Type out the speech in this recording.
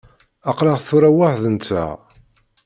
Aql-aɣ tura weḥd-nteɣ.